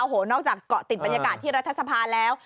โอ้โหนอกจากเกาะติดบรรยากาศที่รัฐสภาแล้ว